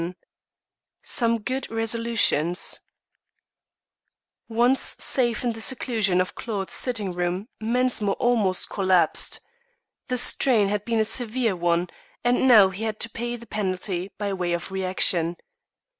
CHAPTER X SOME GOOD RESOLUTIONS Once safe in the seclusion of Claude's sitting room Mensmore almost collapsed. The strain had been a severe one, and now he had to pay the penalty by way of reaction.